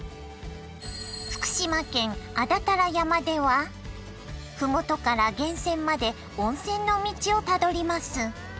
福島県安達太良山では麓から源泉まで温泉の道をたどります。